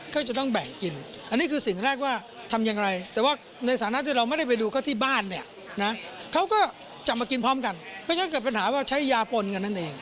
เพราะฉะนั้นเกิดปัญหาว่าใช้ยาปนกันนั่นเอง